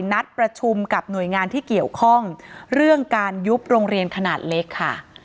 นัดประชุมกับหน่วยงานที่เกี่ยวข้องเรื่องการยุบโรงเรียนขนาดเล็กค่ะ